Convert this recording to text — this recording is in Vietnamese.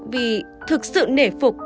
vì thực sự nể phục